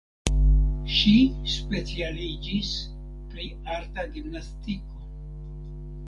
Ŝi specialiĝis pri arta gimnastiko.